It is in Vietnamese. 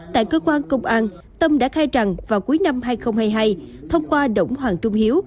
tại cơ quan công an tâm đã khai rằng vào cuối năm hai nghìn hai mươi hai thông qua đỗng hoàng trung hiếu